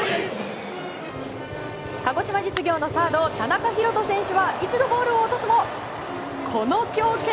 鹿児島実業のサード田中大翔選手は一度ボールを落とすもこの強肩！